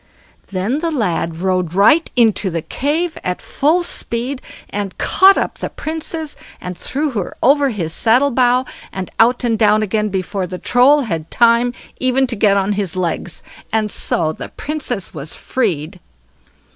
Then the lad rode right into the cave at full speed, and caught up the Princess, and threw her over his saddle bow and out and down again before the Troll had time even to get on his legs; and so the Princess was freed.